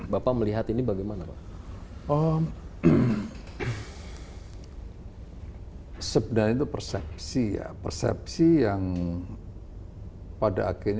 bapak melihat ini bagaimana pak